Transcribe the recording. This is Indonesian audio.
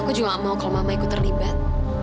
aku juga gak mau kalau mamaiku terlibat